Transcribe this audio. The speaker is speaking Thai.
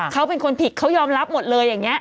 เขาเป็นคนผิดเขายอมรับหมดเลยอย่างนี้